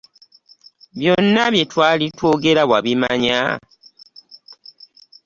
Byonna bye twali twogera wabimanya?